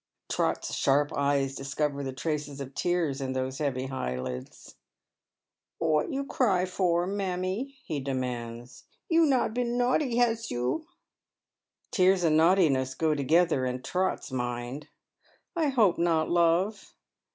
Trot's sharp eyes discover the traces of tears in those heav^ eyelids. " What for you ciy, mammie ?" he demands. " You not been naughty, has you ?" Tears and naughtiness go together in Trot's mind. " I hope not, love."